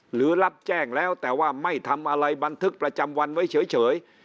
รับแจ้งแล้วแต่ว่าไม่ทำอะไรบันทึกประจำวันไว้เฉย